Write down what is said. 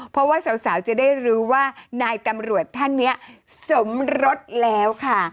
เพราะว่าสาวจะได้รู้ว่านายตำรวจท่านนี้สมรสแล้วค่ะ